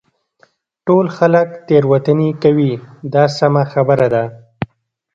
ټول خلک تېروتنې کوي دا سمه خبره ده.